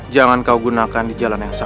jangan kau gunakan di jalan yang sama